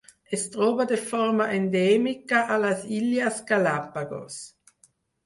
Es troba de forma endèmica a les Illes Galápagos.